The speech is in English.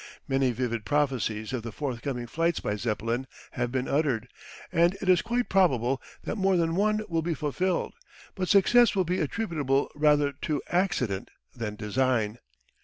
Many vivid prophecies of the forthcoming flights by Zeppelin have been uttered, and it is quite probable that more than one will be fulfilled, but success will be attributable rather to accident than design.